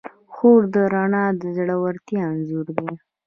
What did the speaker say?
خو رڼا د زړورتیا انځور دی.